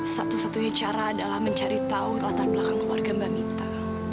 satu satunya cara adalah mencari tahu latar belakang keluarga mbak mita